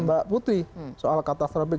mbak putri soal katastrofik